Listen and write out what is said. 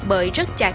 bởi rất chạc